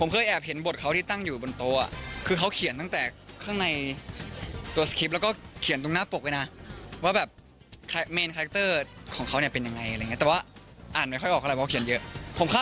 ผมเคยแอบเห็นบทเขาที่ตั้งอยู่บนโต๊ะคือเขาเขียนตั้งแต่ข้างในตัวสคริป